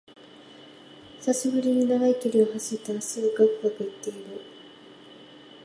久しぶりに長い距離を走って脚がガクガクいってる